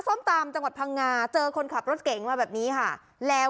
ส้มตำจังหวัดพังงาเจอคนขับรถเก๋งมาแบบนี้ค่ะแล้ว